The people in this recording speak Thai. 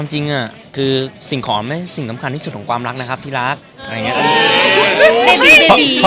เมื่อกี้ที่เช้ามีอะไรกัน